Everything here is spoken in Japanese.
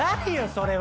それは。